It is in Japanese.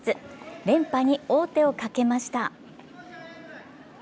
連覇に王手をかけました。